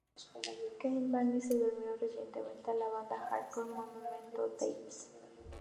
Keith Barney se unió recientemente a la banda de hardcore Monument to Thieves.